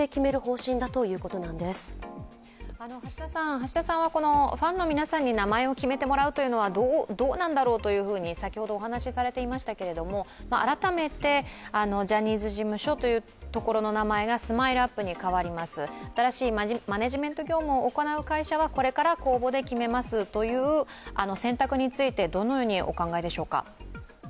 橋田さんはファンの皆さんに名前を決めてもらうのはどうなんだろうと先ほどお話をされていましたけれども改めてジャニーズ事務所という名前がＳＭＩＬＥ−ＵＰ．に変わります、新しいマネジメント業務を行う名前はこれから公募で決めますという選択についてどのようにお考えでしょうか？